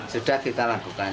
sudah kita lakukan